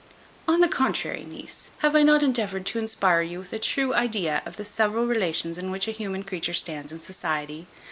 On the contrary, niece, have I not endeavoured to inspire you with a true idea of the several relations in which a human creature stands in society?